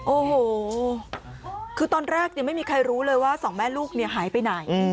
โอ้โหคือตอนแรกไม่มีใครรู้เลยว่าสองแม่ลูกเนี่ยหายไปไหน